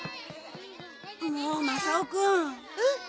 もうマサオくん。えっ？